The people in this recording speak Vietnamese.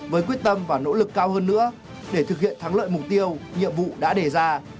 với quyết tâm và nỗ lực cao hơn nữa để thực hiện thắng lợi mục tiêu nhiệm vụ đã đề ra